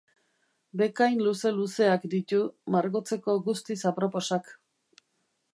Bekain luze-luzeak ditu, margotzeko guztiz aproposak.